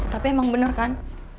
tapi emang bener kan